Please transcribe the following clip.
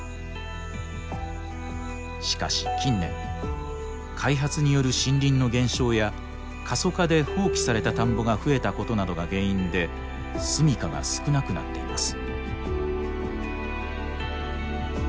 しかし近年開発による森林の減少や過疎化で放棄された田んぼが増えたことなどが原因ですみかが少なくなっています。